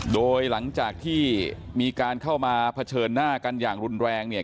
โดยหลังจากที่มีการเข้ามาเผชิญหน้ากันอย่างรุนแรงเนี่ย